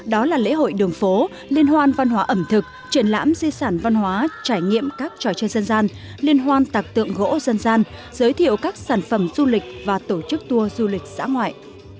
đó là lễ hội đường phố liên hoan văn hóa ẩm thực triển lãm di sản văn hóa trải nghiệm các trò chơi dân gian liên hoan tạc tượng gỗ dân gian giới thiệu các sản phẩm du lịch và tổ chức tour du lịch xã ngoại